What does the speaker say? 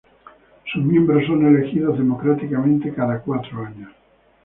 Sus miembros son elegidos democráticamente cada cuatro años.